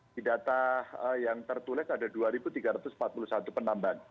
di data yang tertulis ada dua tiga ratus empat puluh satu penambahan